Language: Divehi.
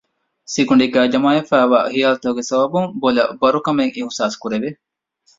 ސިކުނޑީގައި ޖަމާވެފައިވާ ޚިޔާލުތަކުގެ ސަބަބުން ބޮލަށް ބަރުކަމެއް އިޙުސާސްކުރެވެ